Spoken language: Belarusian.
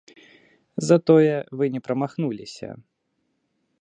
Затое вы не прамахнуліся.